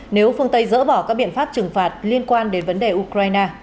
nếu phương tây dỡ bỏ các biện pháp trừng phạt liên quan đến vấn đề ukraine